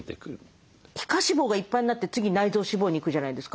皮下脂肪がいっぱいになって次内臓脂肪に行くじゃないですか。